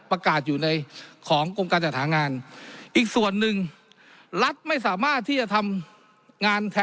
ประกาศอยู่ในของกรมการจัดหางานอีกส่วนหนึ่งรัฐไม่สามารถที่จะทำงานแทน